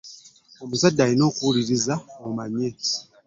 Omuzadde olina okuwuliriza omanye.